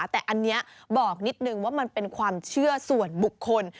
แต่อันนี้บอกนิดนึงว่ามันเป็นความเชื่อส่วนบุคคล